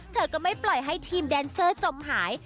เธอก็ไม่ปล่อยให้ทีมแดนเซอร์จมหาย